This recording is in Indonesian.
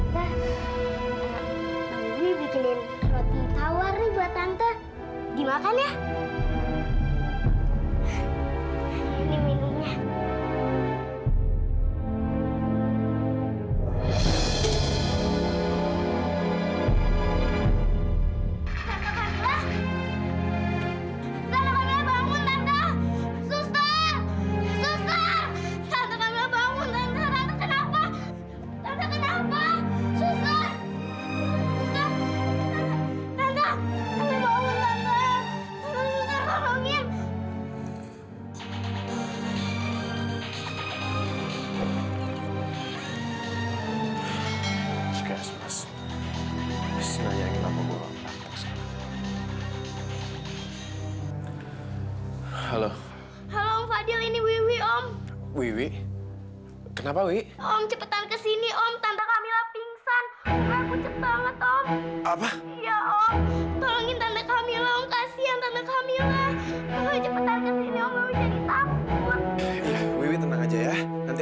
sampai jumpa di video selanjutnya